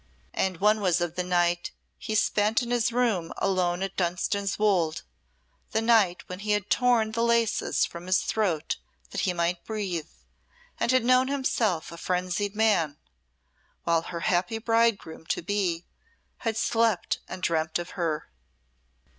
And one was of the night he spent in his room alone at Dunstan's Wolde the night when he had torn the laces from his throat that he might breathe, and had known himself a frenzied man while her happy bridegroom to be had slept and dreamed of her.